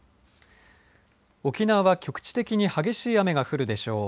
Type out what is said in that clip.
沖縄は局地的に激しい雨が降るでしょう。